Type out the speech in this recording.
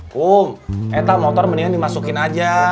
kum ehta motor mendingan dimasukin aja